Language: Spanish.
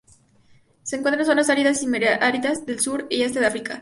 Se encuentran en zonas áridas y semiáridas del sur y este de África.